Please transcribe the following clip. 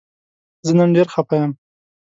زه نن ډیر خفه یم